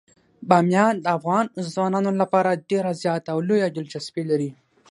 بامیان د افغان ځوانانو لپاره ډیره زیاته او لویه دلچسپي لري.